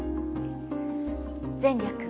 「前略。